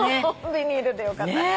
ビニールでよかった。